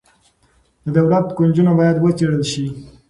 د دولت کونجونه باید وڅیړل شي.